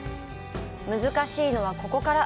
難しいのはここから。